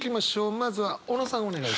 まずは小野さんお願いします。